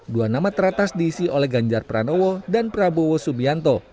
dua nama teratas diisi oleh ganjar pranowo dan prabowo subianto